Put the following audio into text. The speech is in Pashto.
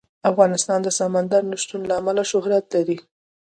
افغانستان د سمندر نه شتون له امله شهرت لري.